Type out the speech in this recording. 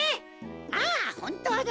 あっほんとうだ。